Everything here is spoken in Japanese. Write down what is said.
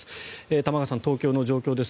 玉川さん、東京の状況です。